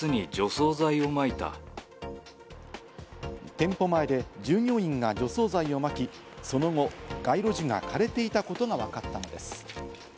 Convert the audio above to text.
店舗前で従業員が除草剤をまき、その後、街路樹が枯れていたことがわかったのです。